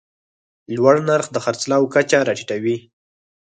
لوړ نرخ د خرڅلاو کچه راټیټوي.